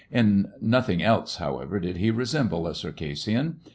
In nothing eke, however, did he resemble a Circassian.